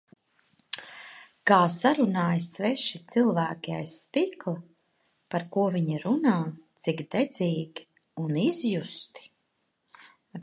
Kā sarunājas sveši cilvēki aiz stikla. Par ko viņi runā, cik dedzīgi un izjusti.